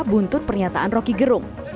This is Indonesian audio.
buntut pernyataan rokigerung